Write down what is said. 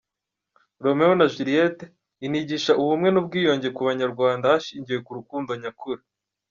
Romeo na Juliet inigisha ubumwe n’ubwiyunge ku banyarwanda hashingiwe ku rukundo nyakuri.